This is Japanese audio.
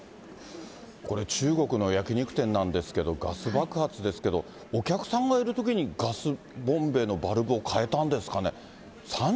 これ、中国の焼き肉店なんですけど、ガス爆発ですけど、お客さんがいるときにガスボンベのバルブを換えたんですかね。